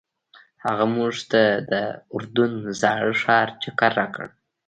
هغه موږ ته د اردن زاړه ښار چکر راکړ.